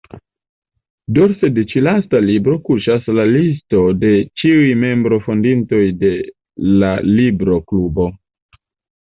Dorse de ĉi-lasta libro kuŝas la listo de ĉiuj membroj-fondintoj de la Libro-Klubo.